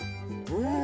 うん！